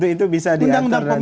itu bisa diatur